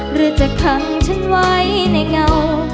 หรือจะขังฉันไว้ในเงา